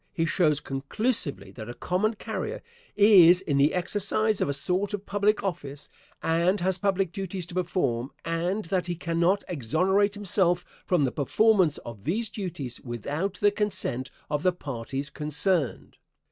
He shows conclusively that a common carrier is in the exercise of a sort of public office and has public duties to perform, and that he cannot exonerate himself from the performance of these duties without the consent of the parties concerned.